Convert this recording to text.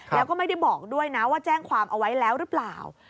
แล้วก็ไม่ได้บอกด้วยนะว่าแจ้งความเอาไว้แล้วหรือเปล่า